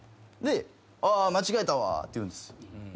で「あっ間違えたわ」って言うんです。